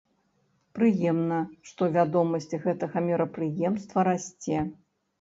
Прыемна, што вядомасць гэтага мерапрыемства расце.